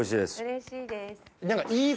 うれしいです。